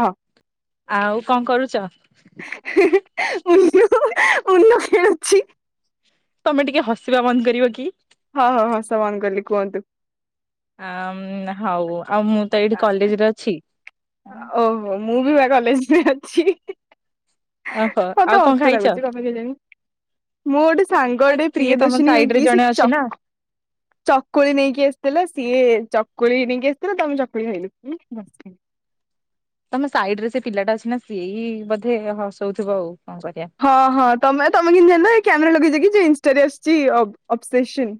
ହଁ। ଆଉ କଣ କରୁଚ? ଉନ ଉନ ଖେଳୁଛି। ତମେ ଟିକେ ହସିବା ବନ୍ଦ କରିବ କି? ହଁ ହଁ ହସ ବନ୍ଦ କଲି କୁହନ୍ତୁ। ଆ ହଉ ଆଉ ମୁଁ ତ ଏଇଠି କଲେଜରେ ଅଛି। ଓହୋ ମୁଁ ବି ବା କଲେଜରେ ଅ [inaudible] ଓହୋ ଆଉ କଣ ଖାଇଚ? ମୁଁ ଗୋଟେ ସାଙ୍ଗଟେ ତମ ପ୍ରିୟଦର୍ଶନୀ ସାଇଡ ରେ କହିକି ସେ ଜଣେ ଅଛି ଚ ନା। ଚକୁଳି ନେଇକି ଆସିଥିଲା ସିଏ ଚକୁଳି ନେଇକି ଆସିଥିଲା ତ ଆମେ ଚକୁଳି ଖାଇଲୁ। ତମେ ସାଇଡରେ ସେ ପିଲାଟା ଅଛି ନା ସିଏ ହିଁ ବୋଧେ ହସଉଥିବ ଆଉ। କଣ କରିବା। ହଁ ହଁ ତମେ ତମେ କେମିତି ଜାଣିଲ କ୍ୟାମେରା ଲଗେଇଛ କି? ଇଂଷ୍ଟା ଆସୁଚି ଅବ ଅବସେସନ୍।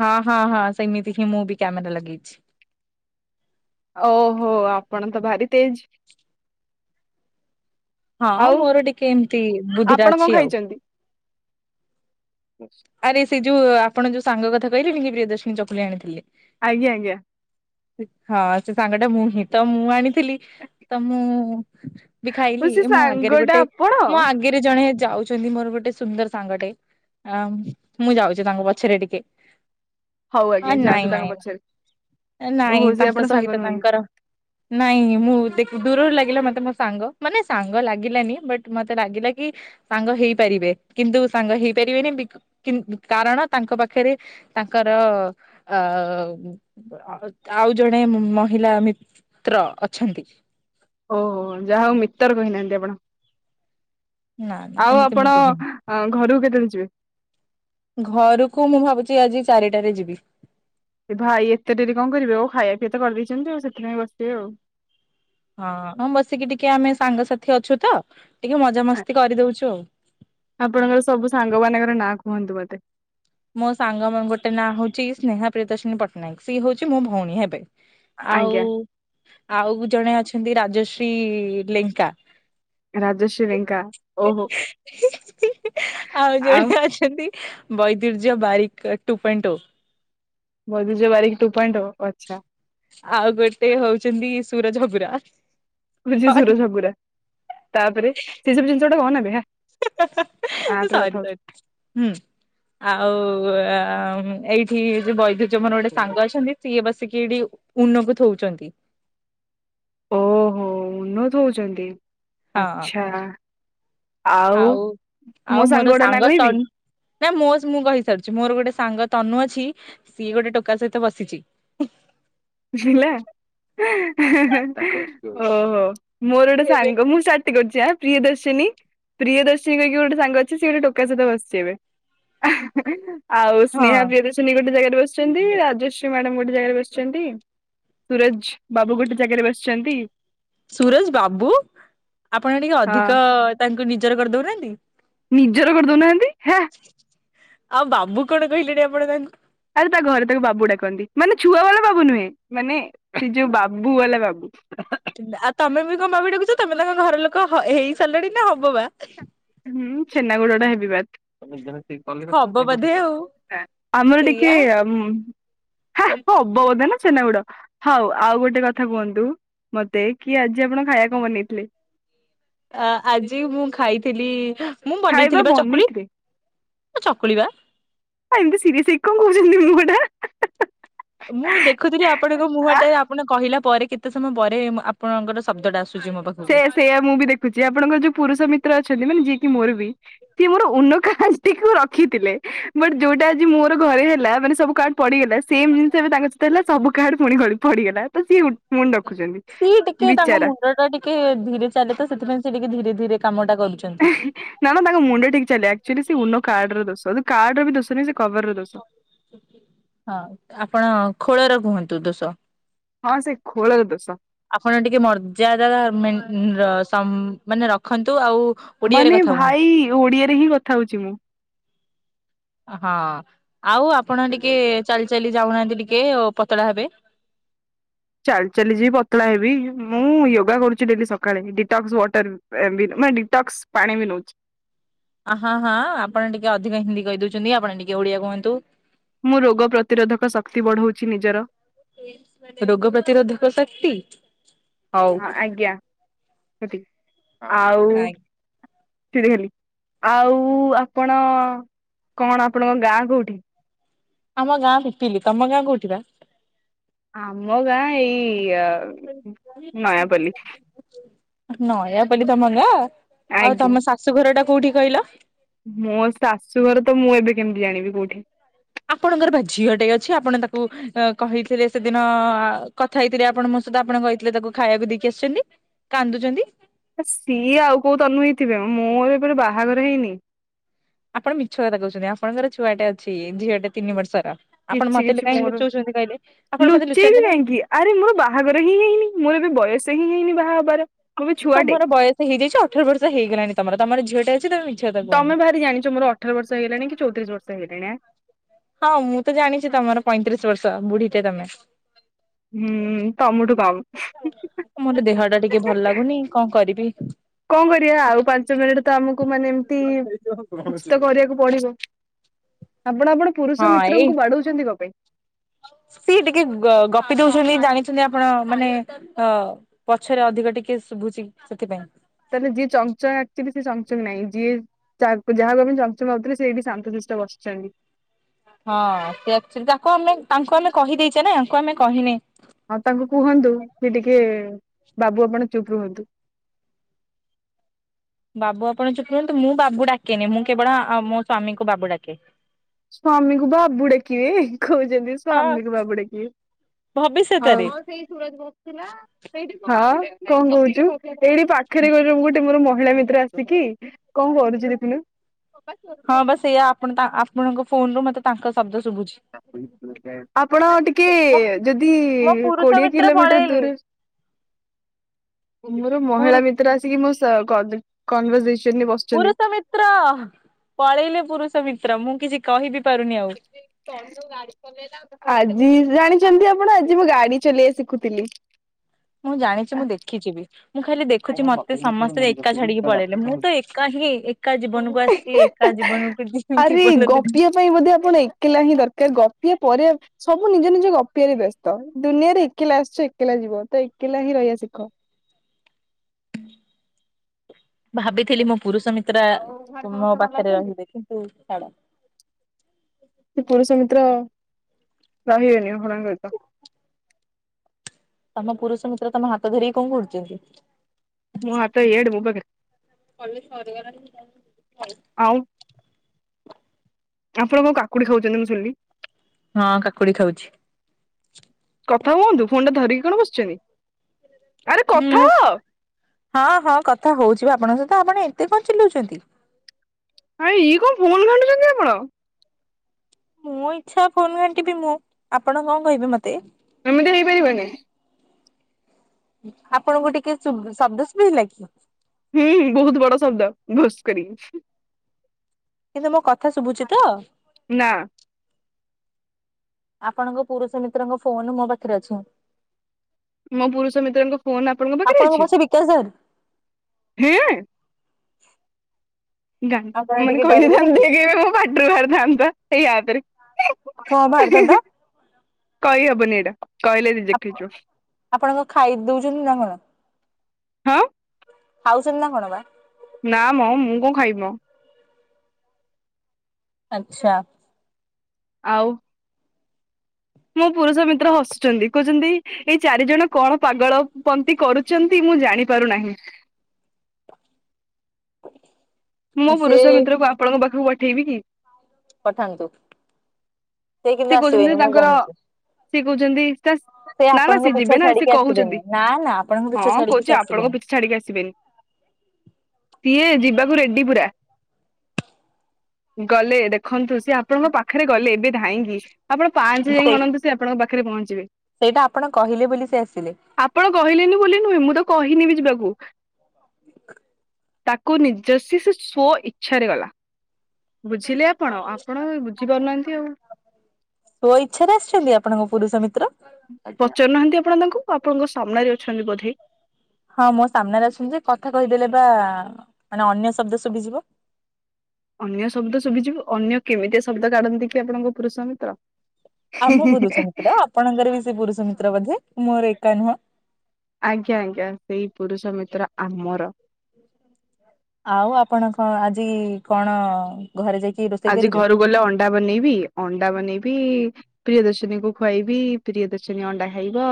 ହଁ ହଁ ହଁ ସେମିତି ହିଁ ମୁଁ ବି କ୍ୟାମେରା ଲଗେଇଛି। ଓହୋ ଆପଣ ତ ଭାରି ତେଜ୍। ହଁ ମୋର ଟିକେ ଏମିତି ବୁଦ୍ଧିଟା ଆପଣ କଣ ଅଛି ଆଉ। ଖାଇଛନ୍ତି? ଆରେ ସେ ଯଉ ଆପଣ ଯୋଉ ସାଙ୍ଗକଥା କହିଲେନି କି ପ୍ରିୟଦର୍ଶିନୀ ଚକୁଲି ଆଣିଥିଲେ। ଆଜ୍ଞା ଆଜ୍ଞା। ହଁ ସେ ସାଙ୍ଗଟା ମୁଁ ହିଁ ତ ମୁଁ ଆଣିଥିଲି ତ ମୁଁ ବି ଓ ଖାଇଲି ସେ ମୋ ଆଗରେ ସାଙ୍ଗଟା ଗୋଟେ ଆପଣ? ମୋ ଆଗରେ ଜଣେ ଯାଉଛନ୍ତି ମୋର ଗୋଟେ ସୁନ୍ଦର ସାଙ୍ଗଟେ ଆ ମୁଁ ଯାଉଚି ତାଙ୍କ ପଛରେ ଟିକେ। ହଉ ହ ଆଜ୍ଞା ନାଇଁ ଯାଆନ୍ତୁ ତାଙ୍କ ନାଇଁ। ପଛରେ ନାଇଁ ଓହୋ ସେ ଆପଣ ତାଙ୍କ ସାଙ୍ଗ ସହିତ ନୁହଁନ୍ତି ତାଙ୍କର ନାଇଁ ମୁଁ ଦେଖି ଦୂରରୁ ଲାଗ ଲାଗିଲା ମତେ ମୋ ସାଙ୍ଗ ମାନେ ସାଙ୍ଗ ଲାଗିଲାନି, ବଟ୍ ମତେ ଲାଗିଲା କି ସାଙ୍ଗ ହେଇପାରିବେ କିନ୍ତୁ ସାଙ୍ଗ ହେଇପାରିବେନି ବିକ କିନ୍ କାରଣ ତାଙ୍କ ପାଖରେ ତାଙ୍କରଅଅ ଆଉ ଜଣେ ମହିଲା ମିତ୍ର ଅଛନ୍ତି। ଓହୋଃ ଯାହା ହଉ ମିତର୍ କହିନାହାନ୍ତି ଆପଣ। ନା ନା ଆଉ ସେମିତି ଆପଣ ମୁଁ କୁହେନି, ଘରକୁ କେତେବେଳେ ଯିବେ ଘରକୁ ମୁଁ ଭାବୁଛି ଆଜି। ଚାରିଟାରେ ଯିବି। ଭାଇ ଏତେ ଡେରି କଣ କରିବେ ଓ ଖାଇବା ପିଇବା ତ କରିଦେଇଛନ୍ତି ଆଉ ସେଥିପାଇଁ ବସିଥିବେ ଆଉ। ହଁ, ହଁ ବସିକି ଟିକେ ଆମେ ସାଙ୍ଗସାଥି ଅଛୁ ତ। ଟିକେ ମଜାମସ୍ତି କରିଦଉଛୁ ଆଉ। ଆପଣଙ୍କର ସବୁ ସାଙ୍ଗ ମାନଙ୍କର ନାଁ କୁହନ୍ତୁ ମତେ। ମୋ ସାଙ୍ଗ ଗୋଟେ ନାଁ ହଉଛି ସ୍ନେହା ପ୍ରିୟଦର୍ଶିନୀ ପଟ୍ଟନାୟକ ସିଏ ହଉଛି ମୋ ଭଉଣୀ ହେବେ। ଆଉ ଆଜ୍ଞା ଆଉ ଜଣେ ଅଛନ୍ତି ରାଜଶ୍ରୀ ଲେଙ୍କା। ରାଜଶ୍ରୀ ଲେଙ୍କା ଓହୋ ଆଉ। ବୈବ୍ Surya Barik two point two. [unintelligible] Barik two point ଓ ଆଚ୍ଛା। ଆଉ ଗୋଟେ ହଉଛନ୍ତି ସୁରଜ ହଗୁରା। [unintelligible] ହଗୁରା ତାପରେ ସେ ସବୁ ଜିନିଷ। [inaudible] ହେଁ ହେଁ ହେଁ ଆପରେ କଥା ସରି ହଉଛୁ ସରି ହୁଁ ଆଉ ଉଁ ଉଁ ଏଇଠି। [unintelligible] [inaudible] ଯୋଉମାନେ ଗୋଟେ ସାଙ୍ଗ ଅଛନ୍ତି ସିଏ ବସ୍। [unintelligible] ଥୋଉଛନ୍ତି। ଓହୋଃ ଉନ୍ନତ ହଉଛନ୍ତି। ହଁଅଅ ଆଚ୍ଛା ଆଉ ମୋ ଆଉ ମୋର ଗୁଡା ନା ସାଙ୍ଗ କହିବି ତନ୍ ନାଇଁ ମୋ ମୁଁ କହିସାରିଛି ମୋର ଗୋଟେ ସାଙ୍ଗ। ତନୁ ଅଛି ସିଏ ଗୋଟେ ଟୋକା ସହିତ ବସିଛି ହୁଁ। ହେଲା। [unintelligible] ହେଁ ହେଁ। [inaudible] ଓହୋଃ ମୋର ଗୋଟେ ଏବେ ସାଙ୍ଗ ମୁଁ ସା ରୋଜା ପ୍ରିୟଦର୍ଶିନୀ, ପ୍ରିୟଦର୍ଶିନୀ କହିକି ଗୋଟେ ସାଙ୍ଗ ଅଛି ସିଏ ଗୋଟେ ଟୋକା ସହିତ ବସିିଛି ଏବେ। [unintelligible] ଆଉ ହଁ ସ୍ନେହା ପ୍ରିୟଦର୍ଶିନୀ ଗୋଟେ ଜାଗାରେ ବସିଛନ୍ତି ରାଜଶ୍ରୀ ମ୍ୟାଡ଼ାମ ଗୋ ଗୋଟେ ଜାଗାରେ ବସିଛନ୍ତି। ସୁରଜ୍ ବାବୁ ଗୋଟେ ଜାଗାରେ ବସିଛନ୍ତି। ସୁରଜ ବାବୁ ଆପଣ ଟିକେ ହଁ ଅଧିକ ତାଙ୍କୁ ନି ନିଜର କରିଦଉନାହାନ୍ତି। ନିଜର କରିଦଉନାହାନ୍ତି ହେ। ଆଉ ବାବୁ କଣ କହିଲେଣି ଆପଣ ତାଙ୍କୁ। ଆଉ ତା ଘରେ ତାକୁ ବାବୁ ଡାକନ୍ତି ମାନେ। ଛୁଆ ବାଲା ବାବୁ ନୁହେଁ ମାନେ ସେ ଯୋଉ ବାବୁ ବାଲା ବାବୁ। ଆଉ ତମେ ବି କଣ ବାବୁ ଡାକୁୁଛ ତମେ ତାଙ୍କ ଘର ଲୋକ ହେଇ ସାରିଲାଣି ନା ହବ ବା? ହୁଁ ଛେନାଗୋଡ ଟା ହେବି ବା? ହବ ବୋଧେ ଆଉ ଆମର ଟିକେ ସେଇଆ ଉଁ ହା ଓ ହବ ବୋଧେ ନା ଛେନାଗୁଡ। ହଉ ଆଉ ଗୋଟେ କଥା କୁହନ୍ତୁ ମତେ କି ଆଜି ଆପଣ ଖାଇବା କଣ ବନେଇଥିଲେ? ଅ ଆଜି ମୁଁ ଖାଇଥିଲି ହାଁ ମୁଁ ଖାଇବା ବନେଇଥିଲି ବା ଚକୁଳି ବନେଇଥିଲେ ଚକୁଳିିବା ଆ ଏମିତି ସିରିୟସ ହେଇକି କଣ କହୁଛନ୍ତି ମୁଁ ମେଣ୍ଢା। ମୁଁ ଦେଖୁଥିଲି ଆପଣଙ୍କ ମୁହଁ ଆ ଟା ଆପଣ କହିଲା ପରେ କେତେ ସମୟ ପରେ ଆପଣଙ୍କର ଶବ୍ଦଟା ଆସୁ ସେ ସେୟା ମୁଁ ବି ଦେଖୁଛି ଆପଣଙ୍କର ଯୋଉ ପୁରୁଷ ମିତ୍ର ଅଛନ୍ତି ମାନେ କି ମୋର ବି ସିଏ ମୋର ଉନ କାର୍ କୁ ରଖିଥିଲେ ବଟ ଯୋଉଟା ଆଜି ମୋର ଘରେ ହେଲା ମାନେ ସବୁ କାର୍ଡ ପଡିଗଲା। ସେମ ଜିନିଷ ଏବେ ତାଙ୍କହିତ ହେଲା ସବୁ କାଡ ପୁଣି ଗାଳି ପଡ଼ିିଗଲା। ତ ସିଏ ମୁଣି ରଖୁଛନ୍ତି ସିଏ ଟିକେ ତାଙ୍କ ବିଚାରା ମୁଣ୍ଡ ଟା ଟିକେ ଧୀରେ ଚାଲେ ତ ସେଥିାଇଁ ସେ ଟିକେ ଧୀରେ ଧୀରେ କାମଟା ନା ନା ତାଙ୍କ ମୁଣ୍ଡେ ଠିକ ଚାଲେଚୁଆଲି ସେ ମୁଣ୍ଡ କାର୍ଡର ଦଶୋ କାର୍ଡରେ ବି ଦଶୋନି ସେ କଭର ର ଦୋଷ। ହଁ ଆପଣ ଖୋଳର କୁହନ୍ତୁ। ତୁ ଦୋଷ। ହଁ ସେଇ ଖୋଳର ଦୋଷ। ଆପଣ ଟିକେ ମର୍ଯ୍ୟାଦା ମାନେ ରଖନ୍ତୁ ଆଉ ଓଡିଆରେ ମାନେ କଥା କୁହନ୍ତୁ ଭାଇ ଓଡିଆରେ ହିଁ କଥା ହଉଛି ମୁଁ? ହଁ। ଆଉ ଆପଣ ଟିକେ ଚାଲି ଚାଲି ଯାଉନାହାନ୍ତି ଟି କେଓ ପତଳା ହେବେ? ଚାଲି ଚାଲି ଯିବି ପତଳା ହେବି ମୁଁ ଯୋଗା କରୁଛି ଡେ ସକାଳେ ଡିଟକ୍ସ ୱାଟରେ ପାଣି ନଉଛି। ହଁ ହଁ ଆପଣ ଟିକେ ଅଧିକ ହିନ୍ଦୀ କହିଦଉଛନ୍ତି ଆପଣ ଟିକେ ଓଡିଆ କୁହନ୍ତୁ। ମୁଁ ରୋଗ ପ୍ରତିରୋଧକ ଶକ୍ତି ବଢାଉଛି ନିଜର। ଅତି। ହଁ ଆଜ୍ଞା। ସେଠି ଆଉ ଆଜ୍ଞା। ସେ ଦେଖି ଆଉ ଆପଣ କଣ ଆପଣଙ୍କ ଗାଁ କୋଉଠି? ଆମ ଗା ବିଟିଲ ତମ ଗା କଟକର ଆମ ଗାଁ ଏଇ ନୟାପଲ୍ଲୀ। ନୟାପଲ୍ଲୀ ତମ ଗାଁ? ଆଉ ଆଜ୍ଞା। ତମ ଶାଶୁ ଘର ଟା କୋଉଠି କହିଲ? ମୋ ଶାଶୁଘର ତ ମୁଁ ଏବେ କେମିତି ଜାଣିବି କୋଉଠି। ଆପଣଙ୍କର ବା ଝିଅ ଟେ ଅଛି ଆପଣ ତାକୁ କହିଥିଲେ ସେଦିନ କଥା ହେଇଥିଲେ ଆପଣ ମୋ ସହିତ ଆପଣ କହିଥିଲେ ତାକୁ ଖାଇବାକୁ ଦେଇକି ଆସିଛନ୍ତି କାନ୍ଦୁଛନ୍ତି। ମୋର ବାହାଘର ହେଇନି। ଆପଣ ମିଛ କଥା କହୁଛନ୍ତି ଆପଣଙ୍କର ଛୁଆଟେ ଅଛି ଝିଅଟେ ତିନି ବର୍ଷର। ଆପଣ କିଛି ମତେ କିଛି କାହିଁ ମୋର ଲୁଚଉଛନ୍ତି କହିଲେ ଆପଣ ମତେ ଲୁଚେଇବି ଲୁଚାନ୍ତନି। କାହିଁକି ଆରେ ମୋର ବାହାଘର ହିଁ ହେଇନି ମୋର ଏ ବି ବୟସ ହିଁ ହେଇନି ବା ହଁ ବର ତମର ବୟସ ହେଇଯାଇଛି ଅଠର ବର୍ଷ ହେଇଗଲାଣି ତମର ତମର ଝିଅ ଟେ ତମେ ଭାରି ଜାଣିଛ ମୋର ଅଠର ବର୍ଷ ହେଇଗଲାଣି କି ଚଉତିରିଶ ବର୍ଷ ହେଇଗଲାଣି ଆଁ। ହଁ ମୁଁ ତ ଜାଣିଛି ତମର ପଇଁତିରିଶ ବର୍ଷ ବୁଢୀଟେ ତମେ। ହୁଁ। ତମଠୁ କମ୍। ମୋର ତ ଦେହ ଟା ଟିକେ ଭଲ ଲାଗୁନି କଣ କରି ବି କଣ କରିବା ଆଉ ପାଞ୍ଚ ମିନିଟ ତ ଆମକୁ ମାନେ ଏମତି କିଛି ତ କରିବାକୁ ପଡିବ ଆପଣ ଆପଣ ପୁରୁଷ ହଁ ଏଇ ମିତ୍ରଙ୍କୁ ବାଡଉଛନ୍ତି କଣ ପାଇଁ ସିଏ ଟିକେ ଗପି ଦଉଛନ୍ତି ଜାଣି ଛନ୍ତି ଆପଣ ମାନେ ଅ ପଛରେ ଅଧିକ ଟିକେ ଶୁଭୁଛି ସେଥିପାଇଁ। ତାହେଲେ ଯିଏ ଚଞ୍ଚଚଙ୍ଗା ଆକ୍ଚୁଆଲି ସିଏ ଚଞ୍ଚଚଙ୍ଗ ନାହିଁ ଯିଏ ଯାହାକୁ ଯାହା ଭାବେ ଚଞ୍ଚଚଙ୍ଗ ଭାବୁଥିଲେ ସେ ବି ଶାନ୍ତସିଷ୍ଟ ବସିଛନ୍ତି। ହଁ ସେ ଅକ୍ଚୁଆଲି ତାଙ୍କୁ ଆମେ ତାଙ୍କୁ ଆମେ କହିଦେଇଛେ ୟାଙ୍କୁ ଆମେ କହିନେ। ଆଉ ତାଙ୍କୁ କୁହନ୍ତୁ କି ଟିକେ ବାବୁ ଆପଣ ଚୁପ ରୁହନ୍ତୁ। ବାବୁ ଆପଣ ଚୁପ୍ ରୁହନ୍ତୁ ମୁଁ ବାବୁ ଡାକେନି ମୁଁ କେବଳ ମୋ ସ୍ଵାମୀଙ୍କୁ ବାବୁ ଡାକେ। ସ୍ଵାମୀକୁ ବାବୁ ଡାକିବେ କହୁଛନ୍ତି ହଁ ସ୍ଵାମୀକୁ ବାବୁ ଡାକିବେ ହଉ ଭବିଷ୍ୟତରେ [unintelligible] ହଁ। କଣ କହୁଛୁ? ଏଇଠି ପାଖରେ [unintelligible] ଗୋଟେ ମୋର ମହିଳା ମିତ୍ର ଆସିକି କଣ କରୁଛି ଦେଖୁନୁ ହଁ ବାସ ଏଇଆ ଆପଣ ତ ଆପଣଙ୍କ ଫୋନ ରୁ ମତେ ତାଙ୍କ ଶବ୍ଦ ଶୁଭୁଛି [unintelligible] ଆପଣ ଟିକେ ଯଦି ମୋ ପୁରୁଷ କୋଡିଏ ମିତ୍ର କିଲୋମିଟର ପଳେଇଲେ ଦୂର ମୋର ପୁରୁ ମହିଳା ମିତ୍ର ଆସିକି ମୋ [unintelligible] କଂଗ୍ରେଜେସ ପୁରୁଷ ମିତ୍ର ପଳେଇଲେ ପୁରୁଷ ମିତ୍ର ମୁଁ କିଛି କହିବି ପାରୁନି ଆଉ [unintelligible] ଆ ଜି ଜାଣିଛନ୍ତି ଆପଣ, ଆଜି ମୁଁ ଗାଡି ଚଲେଇବା ଶିଖୁଥିଲି। ମୁଁ ଜାଣିଛି ମୁଁ ଦେଖିଛି ବି। ମୁଁ ଖାଲି ଦେଖୁଛି ମତେ ସମସ୍ତେ ଏକା ଛାଡିକି ପଳେଇଲେ। ମୁଁ ତ ଏକା ହିଁ ଏକା ଜୀବନକୁ ଆସିଛି, ଏକା ଜୀବନକୁ ଯିବି। [unintelligible] ଏକଲା ହିଁ ଦରକାର ଗପିବା ପରେ ସବୁ ନିଜ ନିଜ ଗପିବାରେ ବ୍ୟସ୍ତ। ଦୁନିଆରେ ଏକଲା ଆସିଛ ଏକଲା ଯିବ ତ ଏକଲା ହିଁ ରହିବା ଶିଖ। ଭାବିଥିଲି ମୋ ପୁରୁଷ ମିତ୍ରା ତ ମୋ ପାଖରେ ରହିବେ କିନ୍ତୁ ଛାଡ। ରହିିବେନି [unintelligible] ତମ ପୁରୁଷ ମିତ୍ର ତମ ହାତ ଧରିକି କଣ କରୁଛନ୍ତି? ମୋ ହାତ ଇଆଡ଼େ ମୋ ପାଖରେ। ପୋଲିସ [unintelligible] ଆଉ ଆପଣ କଣ କାକୁଡି ଖାଉଛନ୍ତି ମୁଁ ଶୁିଣିଲି। ହଁ କାକୁଡି ଖାଉଛି। କଥା ହୁଅନ୍ତୁ ଫୋନ ଟା ଧରିକି କଣ ବସିଛନ୍ତି। ଆରେ ହଁ କଥା ହ ହଁ ହଁ କଥା ହଉଛି ଆପଣଙ୍କ ସହି ତ ଆପଣ ଏତେ କଣ ଚିଲଉଛନ୍ତି? ଆ ଇଏ କଣ ଫୋନ ଘାଣ୍ଟୁଛନ୍ତି ଆପଣ। ମୁଁ ଇଚ୍ଛା ଫୋନ ଘଣ୍ଟିବି ମୁଁ। ଆପଣ କଣ କହିବେ ମତେ। ଏମିତି ହେଇପାରିବନି। ଆପଣଙ୍କୁ ଟିକେ ଶୁବ୍ ଶବ୍ଦ ଶୁଭିଲା କି? ହୁଁ ବହୁତ ବଡ଼ ଶବ୍ଦ ଭୁସ୍ କରିକି। କିନ୍ତୁ ମୋ କଥା ଶୁଭୁଛି ତ? ନା। ଆପଣଙ୍କ ପୁରୁଷ ମିତ୍ରଙ୍କ ଫୋନ ମୋ ପାଖରେ ଅଛି। ମୋ ପୁରୁଷ ମିତ୍ରଙ୍କ ଫୋନ ଆପଣଙ୍କ ପାଖରେ ଅଛି। ପଛେ ବିକାଶ ଧର ହେ ଗା ଆପଣ ମାନେ ଟିକେ ଡରିବେନି କହିଦେଇଥାନ୍ତି କି? ଏବେ ଏ ପାଟିରୁ ବାହାରିଥାନ୍ତା ଏ ଆପ୍ ରେ। କଣ ବାହାରିଥାନ୍ତା? କହି ହେବନି ଏଇଟା। କହିଲେ ରିଜେକ୍ଟ ଆପ୍ ହେଇଯିବ ଆପଣଙ୍କ ଖାଇ ଦଉଛନ୍ତି ନା କଣ? ହଁ ଖାଉଛନ୍ତି ନା କଣ ବା? ନା ମ ମୁଁ କଣ ଖାଇବି ମ। ଆଚ୍ଛା। ଆଉ ମୋ ପୁରୁଷ ମିତ୍ର ହସୁଛନ୍ତି କହୁଛନ୍ତି ଏଇ ଚାରି ଜଣ କଣ ପାଗଳ ପନ୍ତିୀ କରୁଛନ୍ତି ମୁଁ ଜାଣି ପାରୁନାହିଁ। ହ ମୋ ପୁରୁଷ ମିତ୍ରକୁ ଆପଣଙ୍କ ପାଖକୁ ପ ଠେଇବି କି? ପଠାନ୍ତୁ। କିନ୍ତୁ ସେ କହୁଛନ୍ତି ଆସିବେନି ମୁଁ ତାଙ୍କର ଜାଣିଛି। ସିଏ କହୁଛନ୍ତି ସେ ସେ ନା ନା ଆପଣଙ୍କ ସି ପିଛା ଯିବେ ନା ସିଏ ଛାଡିକି ଆସିବେନି। କହୁଛନ୍ତି। ନା ନା ଆପଣଙ୍କ ପିଛା ହଁ ଛାଡିକି ସେ କହୁଛି ଆପଣଙ୍କ ଆସିବେନି। ପିଛା ଛାଡିକି ଆସିବେନି। ତିଏ ଯିବାକୁ ରେଡି ପୁରା। ଗଲେ ଦେଖନ୍ତୁ ସିଏ ଆପଣଙ୍କ ପାଖରେ ଗଲେ ଏବେ ଧାଇଁ [unintelligible] ଆପଣ ପାଞ୍ଚ ଯାଇଁ ସେଇ ଗଣନ୍ତୁ ସେ ଆପଣଙ୍କ ପା ପାଖରେ ପହଞ୍ଚିବେ। ସେଇଟା ଆପଣ କହିଲେ ବୋଲି ସେ ଆସିଲେ। ଆପଣ କହିଲେନି ବୋଲି ନୁହେଁ ମୁଁ ତ କହିନି ବି ଯିବାକୁ। [inaudible] ତାକ୍ କୁ ନିଜସି ସେ ସ୍ଵଇ ଚ୍ଛାରି ଗଲା। ବୁଝିଲେ ଆପଣ ଆପଣ ବୁଝିପାରୁନାହାନ୍ତି ଆଉ। ସ୍ଵଇଚ୍ଛାରେ ଆସିଛନ୍ତି ଆପଣଙ୍କ ପୁରୁଷ ମିତ୍ର। ପଚାରୁନାହାଁନ୍ତି ଆପଣ ତାଙ୍କୁ ଆପଣଙ୍କ ସାମ୍ନାରେ ଅଛନ୍ତି ବୋଧେ। ହଁ ମୋ ସାମ୍ନାରେ ଅଛନ୍ତି ଯେ କଥା କହିଦେଲେ ପରା ଆ ମାନେ ଅନ୍ୟ ଶବ୍ଦ ଶୁଭିଯିବ। ଅନ୍ୟ ଶବ୍ଦ ଶୁଭିଯିବ, ଅନ୍ୟ କେମିତି ଶବ୍ଦ କାଢନ୍ତି କି ଆପଣଙ୍କ ପୁରୁଷ ମିତ୍ର। ଆମ ପୁରୁଷ ମିତ୍ର ଆପଣଙ୍କର ବି ସେ ପୁରୁଷ ମିତ୍ର ବୋଧେ ମୋର ଏ କା ନୁହଁ। ଆଜ୍ଞା ଆଜ୍ଞା ସେଇ ପୁରୁଷ ମିତ୍ର ଆମର ଆଉ ଆପଣ କଣ ଆଜି କଣ ଘରେ ଯାଇକି ରୋଷେଇ ଆଜି କରିବେ? ଘରୁକୁ ଗଲେ ଅଣ୍ଡା ବନେଇବି। ଅଣ୍ଡା ବନେଇବି ଇ ପ୍ରିୟଦର୍ଶିନୀକୁ ଖୁଆଇବି ପ୍ରିୟଦର୍ଶିନୀ ଅଣ୍ଡା ଖାଇବ।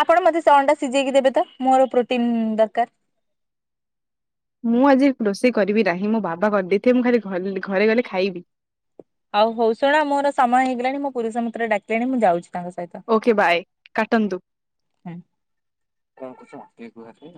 ଆପଣ ମତେ ସେ ଅଣ୍ଡା ସିଝେଇକି ଦେବେ ତ ମୋର ପ୍ରୋଟିନ୍ ଇ ଦରକାର। ମୁଁ ଆଜି ରୋଷେଇ କରିବି ନାହିଁ। ମୋ ବାବା କରିଦେଇଥିବେ। ମୁଁ ଖାଲି ଘରେ ଗଲେ ଖାଇବି। ଆଉ ହଉ ଶୁଣ ମୋର ସମୟ ହେଇଗଲାଣି। ମୋ ପୁରୁଷ ମିତ୍ର ଡାକିଲେଣି ମୁଁ ଯାଉଛି। ତାଙ୍କ ସହିତ ଓକେ ବାଏ କାଟନ୍ତୁ। ହୁଁ।